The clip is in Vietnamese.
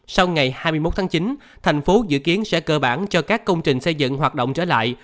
sau ngày hai mươi một tháng chín thành phố dự kiến sẽ cơ bản cho các công trình xây dựng hoạt động trở lại